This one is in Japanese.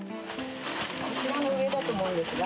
こちらの上だと思うんですが。